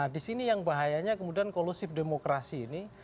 disini yang bahayanya kemudian kolusif demokrasi ini